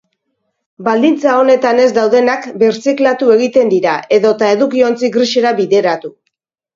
Baldintza onetan ez daudenak birziklatu egiten dira, edota edukiontzi grisera bideratu.